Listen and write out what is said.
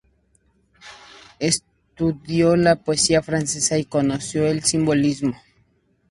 Estudió la poesía francesa y conoció el simbolismo.